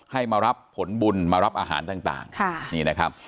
ให้มารับผลมารับอาหารต่างต่างค่ะนี่นะครับ